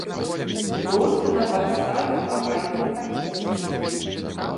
Проста на падставе лакальнай прапіскі.